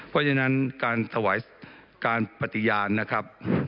เพราะฉะนั้นการถวายการปฏิญาณนะครับ